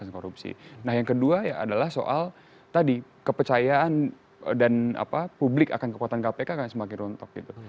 nah yang kedua ya adalah soal tadi kepercayaan dan publik akan kekuatan kpk akan semakin runtuh gitu